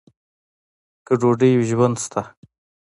که ډوډۍ وي، ژوند شته.